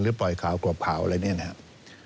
หรือปล่อยข่าวกลัวเผาอะไรนี้นะครับ